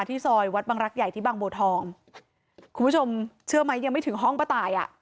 ซอยวัดบังรักใหญ่ที่บางบัวทองคุณผู้ชมเชื่อไหมยังไม่ถึงห้องป้าตายอ่ะ